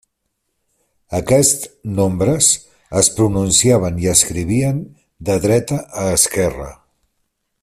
Aquests nombres es pronunciaven i escrivien de dreta a esquerra.